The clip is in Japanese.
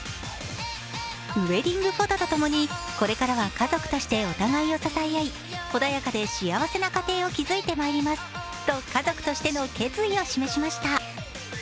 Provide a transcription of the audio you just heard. ウエディングフォトと共に、これからは家族と共にお互いを支え合い穏やかで幸せな家庭を築いてまいりますと、家族としての決意を示しました。